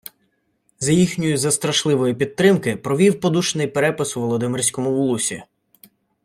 За їхньої застрашливої підтримки провів подушний перепис у Володимирському улусі